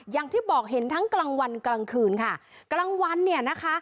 อย่างที่บอกเห็นทั้งกลางวันกลางคืนค่ะกลางวันเนี่ยนะคะ